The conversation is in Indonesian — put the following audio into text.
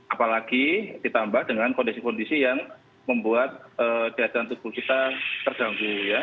apalagi ditambah dengan kondisi kondisi yang membuat daya tahan tubuh kita terganggu ya